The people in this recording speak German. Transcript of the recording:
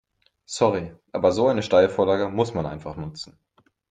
Sorry, aber so eine Steilvorlage muss man einfach nutzen.